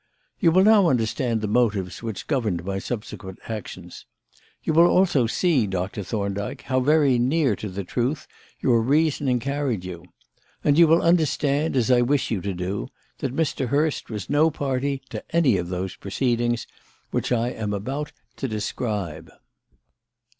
"You will now understand the motives which governed my subsequent actions. You will also see, Doctor Thorndyke, how very near to the truth your reasoning carried you; and you will understand, as I wish you to do, that Mr. Hurst was no party to any of those proceedings which I am about to describe.